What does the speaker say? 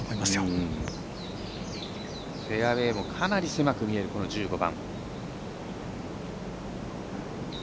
フェアウエーもかなり狭く見える１５番。